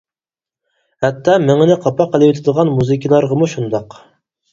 ھەتتا مېڭىنى قاپاق قىلىۋېتىدىغان مۇزىكىلارغىمۇ شۇنداق.